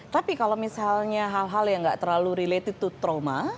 tapi kalau misalnya hal hal yang nggak terlalu related to trauma